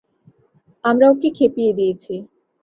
আমরা ওকে খেপিয়ে দিয়েছি।